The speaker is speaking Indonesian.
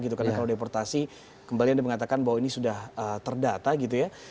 karena kalau deportasi kembali anda mengatakan bahwa ini sudah terdata gitu ya